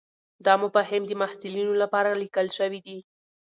دا مفاهیم د محصلینو لپاره لیکل شوي دي.